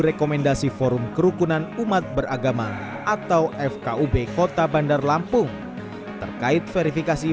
rekomendasi forum kerukunan umat beragama atau fkub kota bandar lampung terkait verifikasi